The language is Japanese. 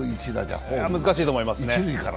難しいと思いますね。